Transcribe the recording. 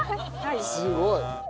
すごい。